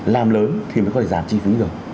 làm lớn thì mới có thể giảm chi phí được